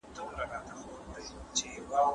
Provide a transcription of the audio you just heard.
جاسوس د خپل هېواد لپاره سر ورکوي.